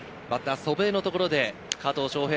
祖父江のところで加藤翔平。